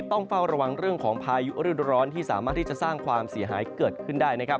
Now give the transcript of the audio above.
ต้องเฝ้าระวังเรื่องของพายุฤดูร้อนที่สามารถที่จะสร้างความเสียหายเกิดขึ้นได้นะครับ